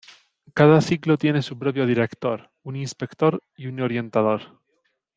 Cada ciclo tiene su propio director, un inspector y un orientador.